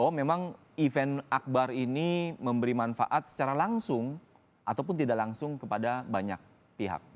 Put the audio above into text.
bahwa memang event akbar ini memberi manfaat secara langsung ataupun tidak langsung kepada banyak pihak